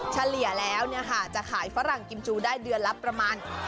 เฉลี่ยแล้วจะขายฝรั่งกิมจูได้เดือนละประมาณ